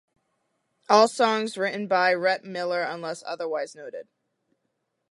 All songs written by Rhett Miller unless otherwise noted.